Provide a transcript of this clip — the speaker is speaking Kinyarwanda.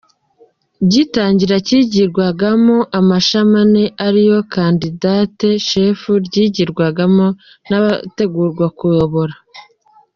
Gitangira cyigirwagamo amashami ane ari yo candidat chef ryigwagamo n’abategurwa kuyobora.